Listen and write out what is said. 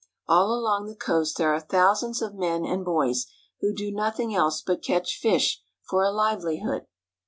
All along the coast there are thousands of men and boys who do nothing else but catch fish for a livelihood.